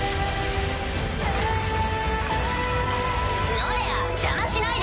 ノレア邪魔しないで。